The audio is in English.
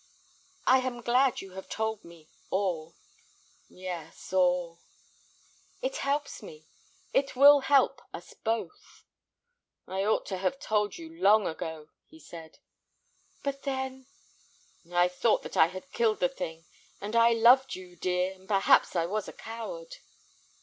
"I am glad you have told me—all." "Yes—all." "It helps me, it will help us both." "I ought to have told you long ago," he said. "But then—" "I thought that I had killed the thing, and I loved you, dear, and perhaps I was a coward."